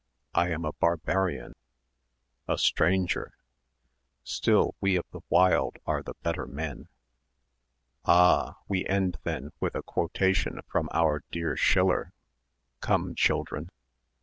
I am a barbarian." "A stranger." "Still we of the wild are the better men." "Ah. We end then with a quotation from our dear Schiller. Come, children."